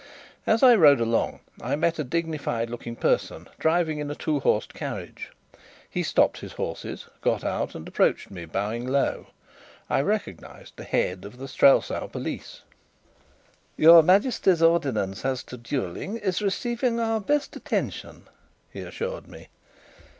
As I rode along, I met a dignified looking person driving in a two horsed carriage. He stopped his horses, got out, and approached me, bowing low. I recognized the Head of the Strelsau Police. "Your Majesty's ordinance as to duelling is receiving our best attention," he assured me.